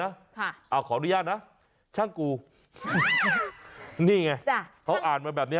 ค่ะเอาขออนุญาตนะช่างกูนี่ไงจ้ะเขาอ่านมาแบบเนี้ย